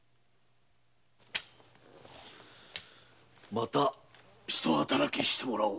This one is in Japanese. またひと働きしてもらおう。